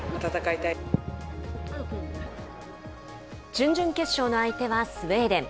準々決勝の相手はスウェーデン。